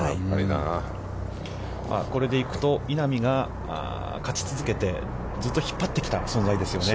これでいくと、稲見が勝ち続けて、ずっと引っ張ってきた存在ですよね。